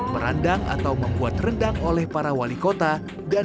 merandang atau membuat rendang oleh para wali kota dan